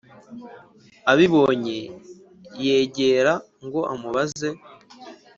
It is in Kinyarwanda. abibonye yegera ngo amubaze